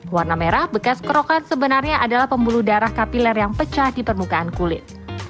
warna merah bekas kerokan sebenarnya adalah pembuluh darah kapiler yang pecah di permukaan kulit